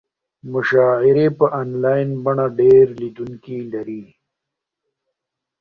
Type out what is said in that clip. مشاعرې په انلاین بڼه ډېر لیدونکي لري.